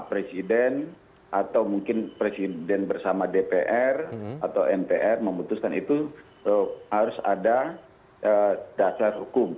presiden atau mungkin presiden bersama dpr atau mpr memutuskan itu harus ada dasar hukum